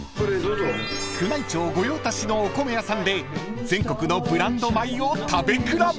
［宮内庁御用達のお米屋さんで全国のブランド米を食べ比べ］